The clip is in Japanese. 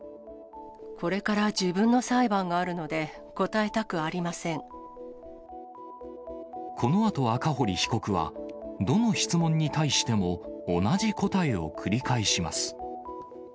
これから自分の裁判があるのこのあと赤堀被告は、どの質問に対しても同じ答えを繰り返します。